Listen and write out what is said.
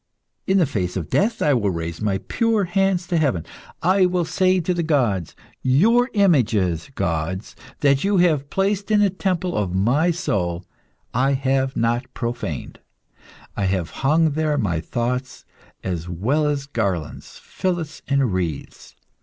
In the face of death I will raise my pure hands to heaven, and I will say to the gods, 'Your images, gods, that you have placed in the temple of my soul, I have not profaned; I have hung there my thoughts, as well as garlands, fillets, and wreaths.